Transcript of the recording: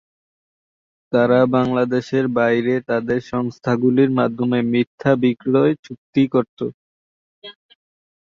তারা বাংলাদেশের বাইরে তাদের সংস্থাগুলির মাধ্যমে মিথ্যা বিক্রয় চুক্তি করতো।